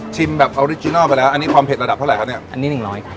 แบบออริจินัลไปแล้วอันนี้ความเผ็ดระดับเท่าไหร่ครับเนี่ยอันนี้หนึ่งร้อย